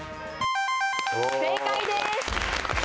正解です！